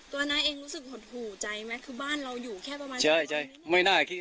ตัวน้าเองรู้สึกหดหูใจไหมคือบ้านเราอยู่แค่ประมาณคราวนี้